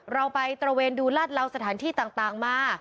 เราไปตระเวนดูลาดเหลาสถานที่ต่างมา